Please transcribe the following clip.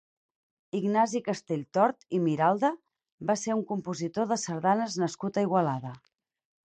Ignasi Castelltort i Miralda va ser un compositor de sardanes nascut a Igualada.